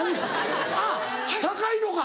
あっ高いのか？